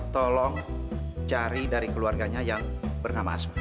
tolong cari dari keluarganya yang bernama asmi